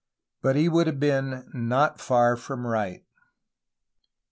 But he would have been not far from right.